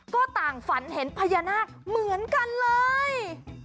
ก็ต่างฝันเห็นพญานาคเหมือนกันเลย